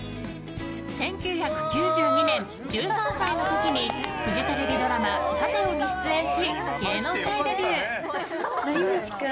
１９９２年、１３歳の時にフジテレビドラマ「パテオ」出演し芸能界デビュー。